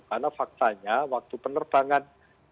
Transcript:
karena faktanya waktu penerbangan